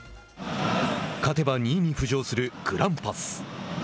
勝てば２位に浮上するグランパス。